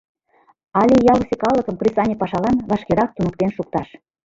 Але ялысе калыкым кресаньык пашалан вашкерак туныктен шукташ...